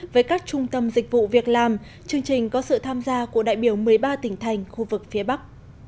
với các trung tâm dịch vụ việc làm chương trình có sự tham gia của đại biểu một mươi ba tỉnh thành khu vực phía bắc